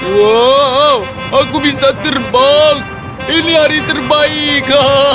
wow aku bisa terbang ini hari terbaik